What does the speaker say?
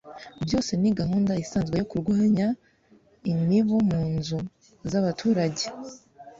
byose ni gahunda isanzwe yo kurwanya imibu mu nzu z'abaturage.